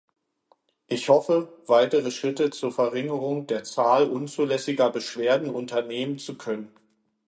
Ich hoffe, weitere Schritte zur Verringerung der Zahl unzulässiger Beschwerden unternehmen zu können.